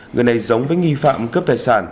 người này giống với nghi phạm cướp tài sản